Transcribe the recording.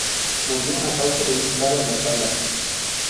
Murió a causa de un disparo en la espalda.